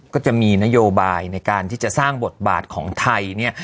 ก็จะมีนโยบายในการที่จะสร้างบทบาทของไทยเนี่ย